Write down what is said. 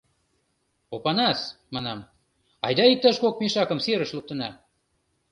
— Опанас, — манам, — айда иктаж кок мешакым серыш луктына.